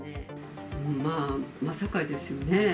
まあ、まさかですよね。